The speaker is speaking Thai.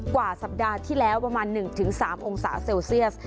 กว่าสัปดาห์ที่แล้วประมาณ๑๓องศาเซลเซียส